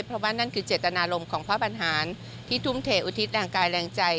เพราะว่านั่นคือเจตนารมณ์ของพระบรรหารที่ทุ่มเทอุทิศทางกายแรงใจ